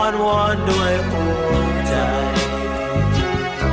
อ้อนวอนด้วยหัวใจ